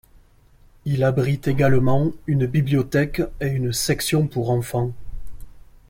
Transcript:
Il abrite également une bibliothèque et une section pour enfants.